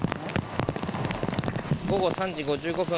午後３時５５分。